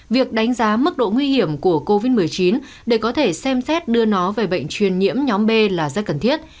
việc đánh giá mức độ nguy hiểm của covid một mươi chín để có thể xem xét đưa nó về bệnh truyền nhiễm nhóm b là rất cần thiết